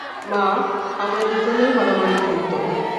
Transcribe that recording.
মা, আমরা দুজনেই মারামারিতে লিপ্ত হই।